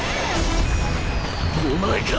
お前か。